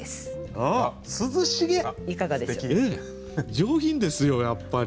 上品ですよやっぱり。